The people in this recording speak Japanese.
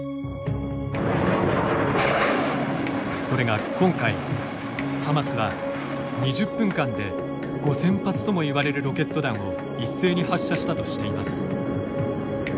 それが今回ハマスは２０分間で５，０００発ともいわれるロケット弾を一斉に発射したとしています。